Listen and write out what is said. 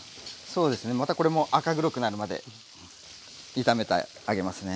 そうですねまたこれも赤黒くなるまで炒めてあげますね。